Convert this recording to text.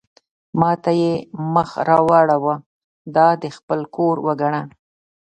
ما ته یې مخ را واړاوه: دا دې خپل کور وګڼه.